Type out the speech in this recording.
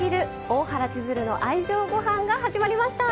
大原千鶴の愛情ごはん」が始まりました。